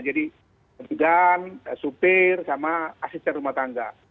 jadi pegang supir sama asisten rumah tangga